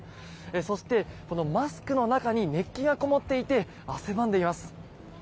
そして、マスクの中に熱気がこもっていて汗ばんでいます。